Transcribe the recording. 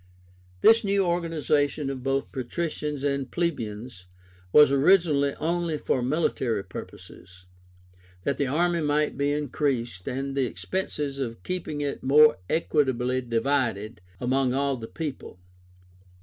This new organization of both patricians and plebeians was originally only for military purposes, that the army might be increased, and the expenses of keeping it more equitably divided among all the people.